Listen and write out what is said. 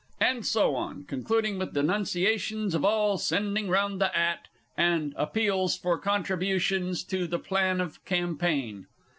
[_And so on, concluding with denunciations of all "sending round the 'at," and appeals for contributions to the Plan of Campaign.